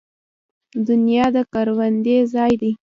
دنیا د کروندې ځای دی